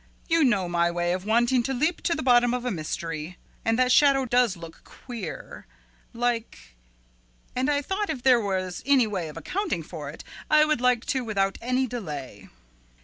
You know my way of wanting to leap to the bottom of a mystery, and that shadow does look queer, like and I thought if there was any way of accounting for it I would like to without any delay."